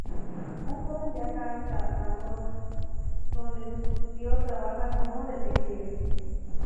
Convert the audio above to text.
Un joven viaja hasta Bangkok, donde su tío trabaja como detective.